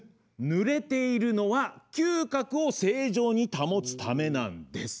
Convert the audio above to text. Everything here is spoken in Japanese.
ぬれているのは嗅覚を正常に保つためなんです。